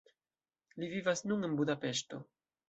Li vivas nun en Budapeŝto.